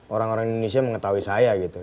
orang orang indonesia mengetahui saya gitu